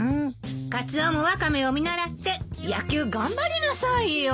カツオもワカメを見習って野球頑張りなさいよ。